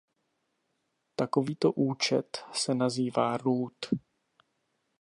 Takovýto účet se nazývá root.